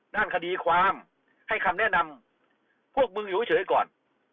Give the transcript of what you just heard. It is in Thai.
ด้านคดีความให้คำแนะนำพวกมึงอยู่เฉยก่อน